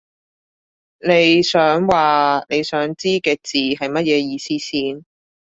你想話你想知嘅字係乜嘢意思先